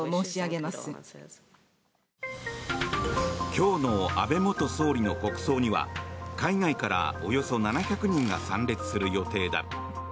今日の安倍元総理の国葬には海外からおよそ７００人が参列する予定だ。